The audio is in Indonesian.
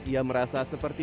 ia merasa seperti